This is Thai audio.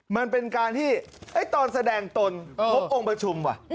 มันเป็นการที่ตอนแสดงตนงบองค์ประชุมว่ะ